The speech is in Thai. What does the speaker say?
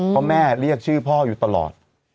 เพราะแม่เรียกชื่อพ่ออยู่ตลอด